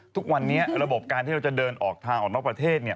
ทุกวันนี้ระบบการที่เราจะเดินออกทางออกนอกประเทศ